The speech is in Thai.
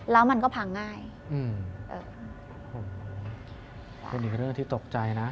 แล้วมันก็พังง่าย